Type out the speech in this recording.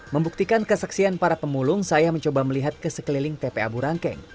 membuktikan kesaksian para pemulung saya mencoba melihat ke sekeliling tpa burangkeng